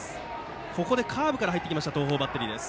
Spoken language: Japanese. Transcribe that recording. ここでカーブから入ってきた東邦バッテリー。